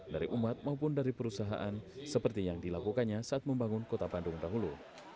dari umat maupun dari perusahaan seperti yang dilakukannya saat membangun kota bandung dahulu